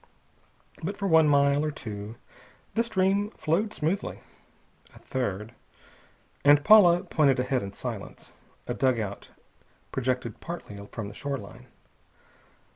But for one mile, for two, the stream flowed smoothly. A third.... And Paula pointed ahead in silence. A dug out projected partly from the shoreline.